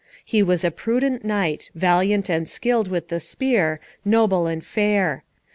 He was a prudent knight, valiant and skilled with the spear, noble and fair.